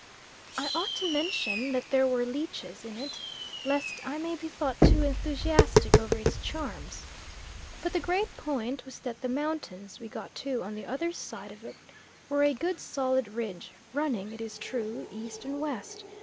I ought to mention that there were leeches in it, lest I may be thought too enthusiastic over its charms. But the great point was that the mountains we got to on the other side of it, were a good solid ridge, running, it is true, E. and W.